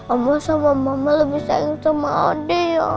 oma sama mama lebih sayang sama adek ya